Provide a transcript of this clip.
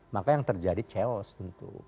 maka yang terjadi chaos tentu